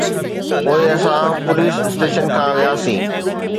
پوءِ اسان police station کان وياسين.